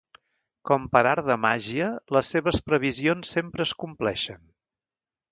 Com per art de màgia, les seves previsions sempre es compleixen.